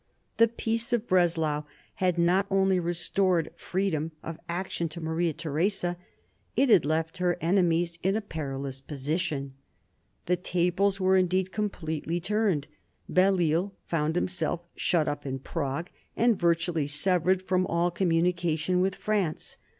The Peace of Breslau had not only restored freedom of action to Maria Theresa, it had left her enemies in a perilous position. The tables were indeed completely turned. Belleisle found himself shut up in Prague, and virtually severed from all communication with France.